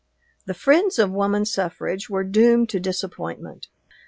The friends of woman suffrage were doomed to disappointment.